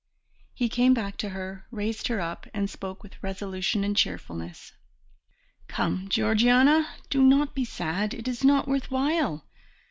He came back to her, raised her up, and spoke with resolution and cheerfulness. "Come, Georgiana, do not be sad, it is not worth while.